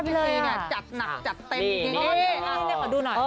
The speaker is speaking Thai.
พี่ซีเนี่ยจัดหนักจัดเต็มอย่างนี้